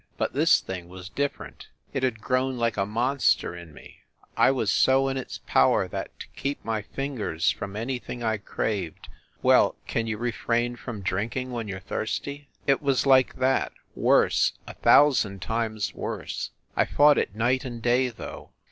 But this thing was different. It had grown like a monster in me I was so in its power that, to keep my fingers from anything I craved well, can you refrain from drinking when you re thirsty? It was like that worse, a thousand times worse ! I fought it night and day, though.